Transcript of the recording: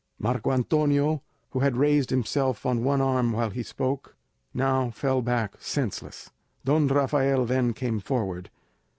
Marco Antonio, who had raised himself on one arm while he spoke, now fell back senseless. Don Rafael then came forward.